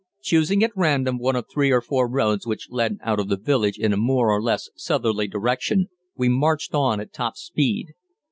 Choosing at random one of three or four roads which led out of the village in a more or less southerly direction, we marched on at top speed.